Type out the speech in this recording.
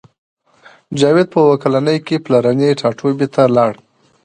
جاوید په اوه کلنۍ کې پلرني ټاټوبي ته لاړ